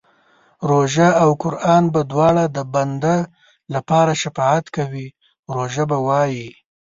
روژه او قران به دواړه د بنده لپاره شفاعت کوي، روژه به وايي